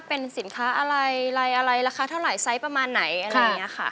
เป็นสินค้าอะไรลายอะไรราคาเท่าไหร่ไซส์ประมาณไหนอะไรอย่างนี้ค่ะ